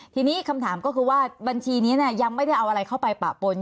ทีนี้คำถามก็คือว่าบัญชีนี้ยังไม่ได้เอาอะไรเข้าไปปะปน